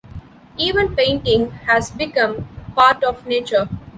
Even painting has become part of nature.